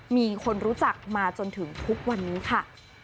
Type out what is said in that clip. มีคนรู้จักมาจนถึงทุกวันนี้ค่ะ